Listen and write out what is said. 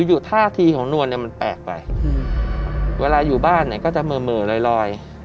อยู่ท่าทีของนวลมันแปลกไปเวลาอยู่บ้านก็จะเหมือลอย